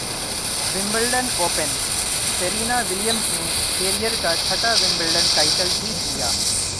Wimbledon open Serena ولیمزنےکیرئیر کا چھٹا ومبلڈن ٹائٹل جیت لیا